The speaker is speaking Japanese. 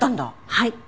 はい。